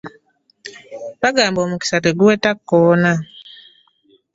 Bagamba omukisa teguweta kkoona.